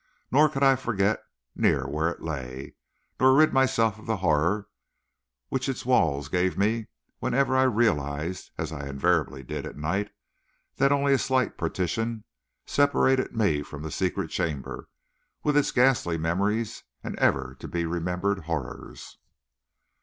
Nor could I forget near what it lay, nor rid myself of the horror which its walls gave me whenever I realized, as I invariably did at night, that only a slight partition separated me from the secret chamber, with its ghastly memories and ever to be remembered horrors.